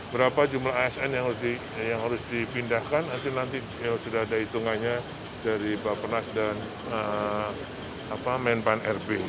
berapa jumlah asn yang harus dipindahkan nanti sudah ada hitungannya dari bapak penas dan menpan rb